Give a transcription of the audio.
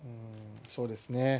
そうですね。